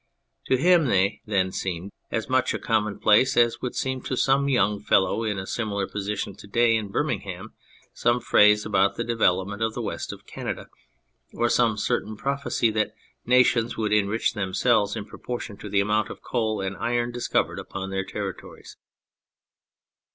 To him they then seemed as much a commonplace as would seem to some young fellow in a similar position to day in Birmingham some phase about the development of the West of Canada, or some certain prophecy that nations would enrich themselves in proportion to the amount of coal and iron discovered upon their territories.